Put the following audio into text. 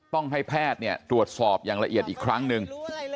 ต้องให้แพทย์ตรวจสอบอย่างละเอียดอีกครั้งหนึ่ง